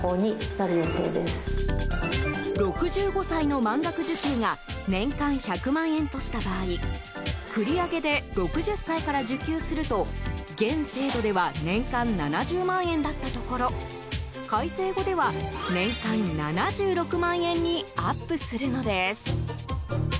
６５歳の満額受給が年間１００万円とした場合繰り上げで６０歳から受給すると現制度では年間７０万円だったところ改正後では年間７６万円にアップするのです。